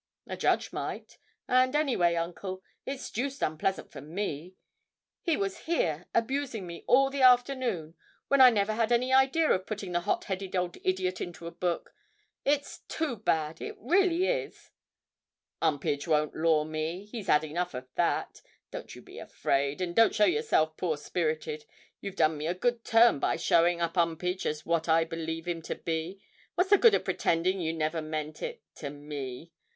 'A judge might, and, any way, Uncle, it's deuced unpleasant for me. He was here abusing me all the afternoon when I never had any idea of putting the hot headed old idiot into a book. It's too bad it really is!' ''Umpage won't law me he's had enough of that. Don't you be afraid, and don't show yourself poor spirited. You've done me a good turn by showing up 'Umpage as what I believe him to be what's the good of pretending you never meant it to me?